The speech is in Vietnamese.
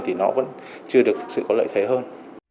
thì nó vẫn chưa được thực sự có lợi thế hơn